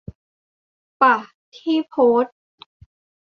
ป่ะที่โพสต์ ?